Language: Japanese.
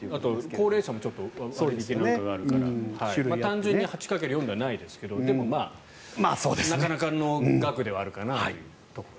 高齢者も割引などがあるから単純に８かける４ではないですがなかなかの額ではあるかなと。